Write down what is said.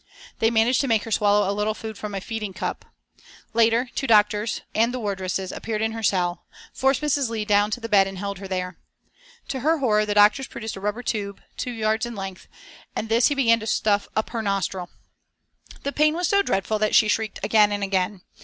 They managed to make her swallow a little food from a feeding cup. Later two doctors and the wardresses appeared in her cell, forced Mrs. Leigh down to the bed and held her there. To her horror the doctors produced a rubber tube, two yards in length, and this he began to stuff up her nostril. The pain was so dreadful that she shrieked again and again.